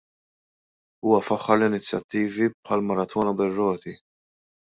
Huwa faħħar l-inizjattivi bħall-Maratona bir-Roti.